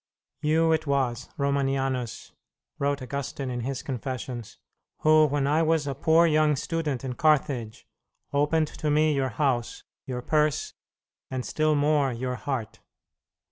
"You it was, Romanianus," wrote Augustine in his Confessions, "who, when I was a poor young student in Carthage, opened to me your house, your purse, and still more your heart.